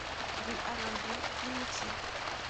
Rue Allain deux, Vimoutiers